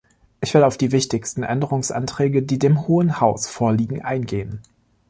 Ich will auf die wichtigsten Änderungsanträge, die dem Hohen Haus vorliegen, eingehen.